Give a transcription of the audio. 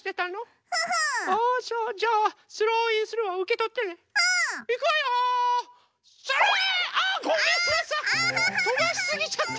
とばしすぎちゃった！